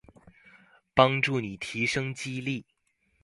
幫助你提升肌力